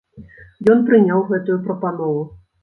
Ён прыняў гэтую прапанову.